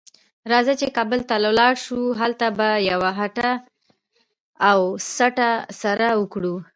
راځه چې کابل ته ولاړ شو؛ هلته به یوه هټه او سټه سره وکړو.